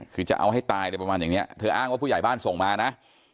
คือจะเอาให้ตายอะไรประมาณอย่างนี้เธออ้างว่าผู้ใหญ่บ้านส่งมานะ